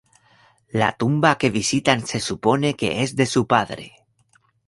La tumba que visitan se supone que es de su padre.